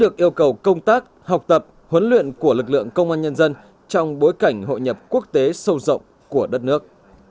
được yêu cầu công tác học tập huấn luyện của lực lượng công an nhân dân trong bối cảnh hội nhập quốc tế sâu rộng của đất nước